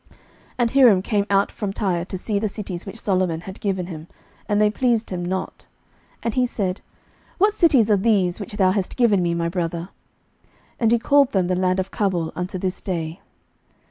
11:009:012 And Hiram came out from Tyre to see the cities which Solomon had given him; and they pleased him not. 11:009:013 And he said, What cities are these which thou hast given me, my brother? And he called them the land of Cabul unto this day.